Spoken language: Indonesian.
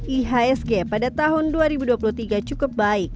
ihsg pada tahun dua ribu dua puluh tiga cukup baik